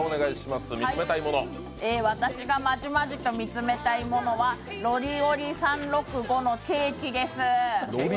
私がまじまじと見つめたいものは、ロリオリ３６５のケーキです。